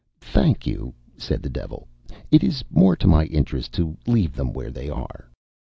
"Thank you," said the Devil. "It is more to my interest to leave them where they are."